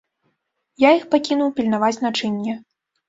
Я іх пакінуў пільнаваць начынне.